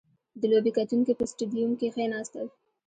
• د لوبې کتونکي په سټېډیوم کښېناستل.